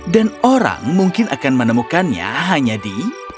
dan orang mungkin akan menemukannya hanya di